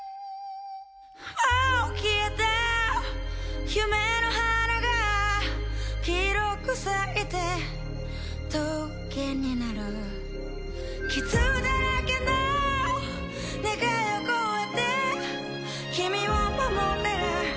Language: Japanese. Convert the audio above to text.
もう消えた夢の花が黄色く咲いて棘になる傷だらけの願いを超えて君を守れる？